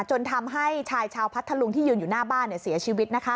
จนทำให้ชายชาวพัทธลุงที่ยืนอยู่หน้าบ้านเสียชีวิต